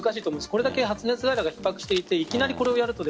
これだけ発熱外来がひっ迫していていきなりこれをやると